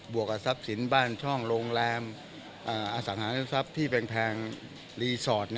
วกกับทรัพย์สินบ้านช่องโรงแรมอสังหาริมทรัพย์ที่แพงรีสอร์ท